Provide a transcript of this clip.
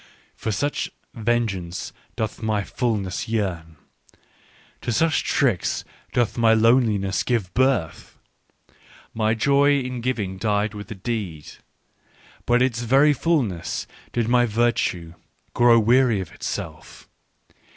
" For such vengeance doth my fulness yearn : to such tricks doth my loneliness give birth. " My joy in giving died with the deed. By its very fulness did my virtue grow weary of itself.